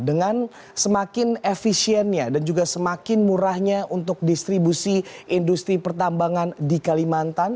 dengan semakin efisiennya dan juga semakin murahnya untuk distribusi industri pertambangan di kalimantan